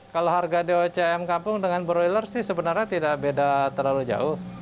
kalau harga doc ayam kampung dengan broiler sih sebenarnya tidak beda terlalu jauh